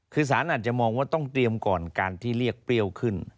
คือสารอาจจะมองว่าต้องเตรียมก่อนการที่เรียกเปรี้ยวขึ้น